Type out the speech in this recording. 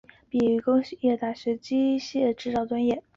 毕业于山东工业大学机械制造专业。